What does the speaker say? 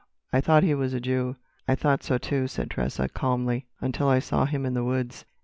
I thought he was a Jew." "I thought so too," said Tressa, calmly, "until I saw him in the woods.